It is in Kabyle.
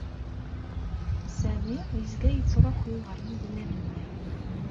Sami yezga yettṛuḥu ɣer ugmam-nni.